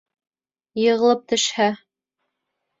— Йығылып төшһә.